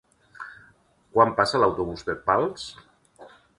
Quan passa l'autobús per Pals?